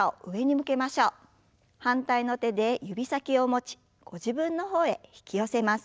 反対の手で指先を持ちご自分の方へ引き寄せます。